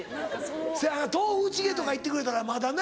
せやな豆腐チゲとかいってくれたらまだな。